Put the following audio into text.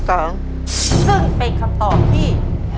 ซึ่งเป็นคำตอบที่